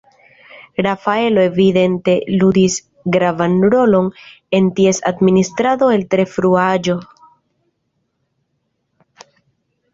Rafaelo evidente ludis gravan rolon en ties administrado el tre frua aĝo.